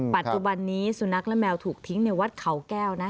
ปัจจุบันนี้สุนัขและแมวถูกทิ้งในวัดเขาแก้วนะ